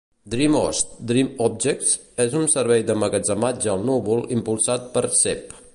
DreamHost's DreamObjects és un servei d'emmagatzematge al núvol impulsat per Ceph.